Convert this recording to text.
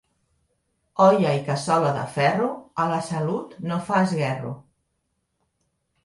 Olla i cassola de ferro a la salut no fa esguerro.